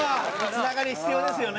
つながり必要ですよね。